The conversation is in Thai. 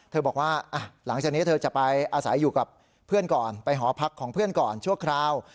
บอกว่าหลังจากนี้เธอจะไปอาศัยอยู่กับเพื่อนก่อนไปหอพักของเพื่อนก่อนชั่วคราว